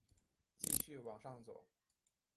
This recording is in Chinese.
继续往上走